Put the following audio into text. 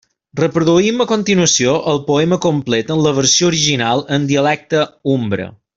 Reproduïm a continuació el poema complet en la versió original en dialecte umbre.